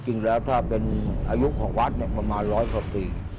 จริงแล้วถ้าเป็นอายุของวัดประมาณร้อยกว่าปี